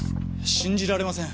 信じられません